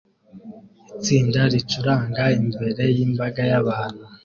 Itsinda ricuranga imbere yimbaga yabantu